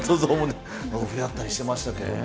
触れ合ったりしてましたね。